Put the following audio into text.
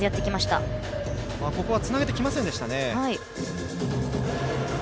つなげてきませんでしたね。